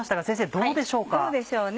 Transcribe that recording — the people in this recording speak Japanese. どうでしょうね？